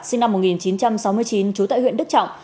sinh năm một nghìn chín trăm sáu mươi chín trú tại huyện đức trọng